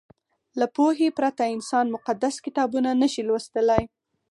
له پوهې پرته انسان مقدس کتابونه نه شي لوستلی.